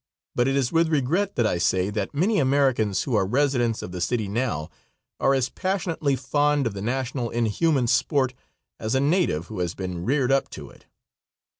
But it is with regret that I say that many Americans who are residents of the city now are as passionately fond of the national inhuman sport as a native who has been reared up to it.